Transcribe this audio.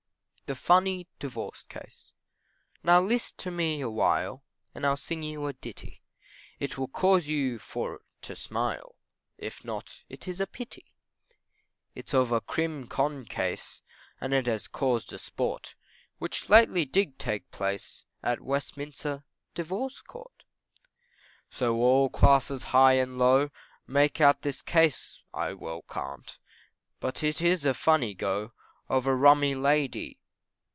THE FUNNY DIVORCE CASE. Now list to me awhile, And I'll sing you a ditty, It will cause you for to smile, If not, it is a pity. It's of a crim con case, And it has caused sport, Which lately did take place, At Westminster Divorce Court. So all classes high and low, Make out this case I well can't, But it is a funny go, Of rummy Lady